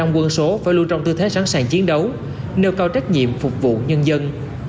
một trăm linh quân số phải luôn trong tư thế sẵn sàng chiến đấu nêu cao trách nhiệm phục vụ nhân dân